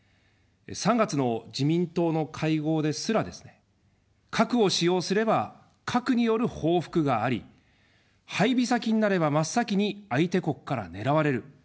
３月の自民党の会合ですらですね、核を使用すれば核による報復があり、配備先になれば真っ先に相手国から狙われる。